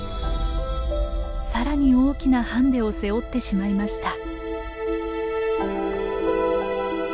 さらに大きなハンデを背負ってしまいました。